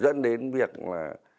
dẫn đến việc là